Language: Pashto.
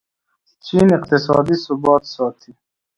چین اقتصادي ثبات ساتي.